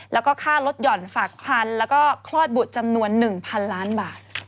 แล้วก็ค่ารถห่อนฝากควันแล้วก็คลอดบุตรจำนวน๑๐๐๐ล้านบาท